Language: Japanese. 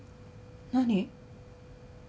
何？